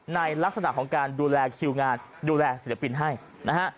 ในลักษณะของการดูแลคิวงานดูแลศิลปินให้นะฮะ